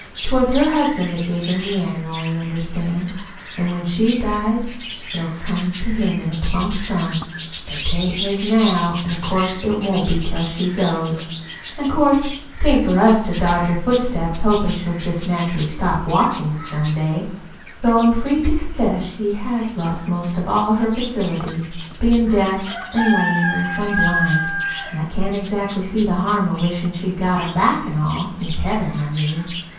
'Twas her husband that gave him the annual, you understand, an' when she dies it'll come to him in a plump sum. But 'tain't his now, an' 'course it won't be till she goes; an' 'course 'tain't for us to dodge her footsteps hopin' she'll jest naturally stop walkin' some day though I'm free to confess she has lost most all her facilities, bein' deaf an' lame an' some blind; an' I can't exactly see the harm in wishin' she had got 'em all back in Heaven, I mean.